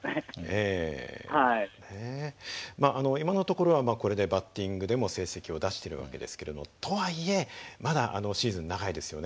今のところはこれでバッティングでも成績を出してる訳ですけれどとはいえまだシーズン長いですよね。